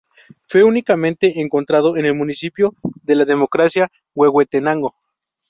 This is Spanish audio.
Fue únicamente encontrado en el municipio de La Democracia, Huehuetenango.